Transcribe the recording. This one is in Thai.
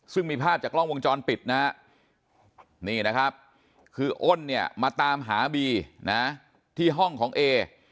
ซึ่งมีภาพจากกล้องวงจรปิดนะฮะนี่นะครับคืออ้นเนี่ยมาตามหาบีนะที่ห้องของเอ